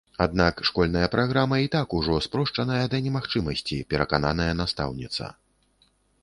Аднак школьная праграма і так ужо спрошчаная да немагчымасці, перакананая настаўніца.